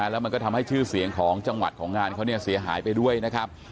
แล้วมันก็ทำให้ชื่อเสียงของจังหวัดของงานเขาเสียหายไปด้วยนะครับ